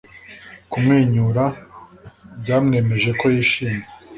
Kumwenyura byamwemeje ko yishimye